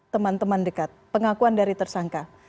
teman teman dekat pengakuan dari tersangka